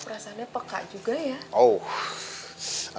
perasanya peka juga ya